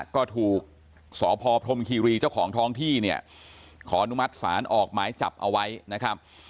ก็ถูกสพพรมคีรีเจ้าของท้องที่เนี่ยขออนุมัติศาลออกหมายจับเอาไว้นะครับ